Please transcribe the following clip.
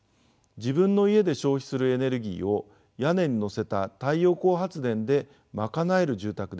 自分の家で消費するエネルギーを屋根に載せた太陽光発電で賄える住宅です。